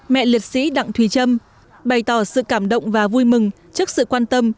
mẹ liệt sĩ đặng thùy trâm bày tỏ sự cảm động và vui mừng trước sự quan tâm